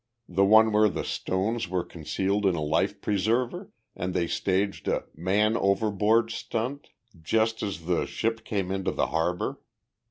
The one where the stones were concealed in a life preserver and they staged a 'man overboard' stunt just as the ship came into the harbor.